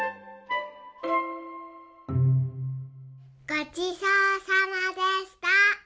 ごちそうさまでした。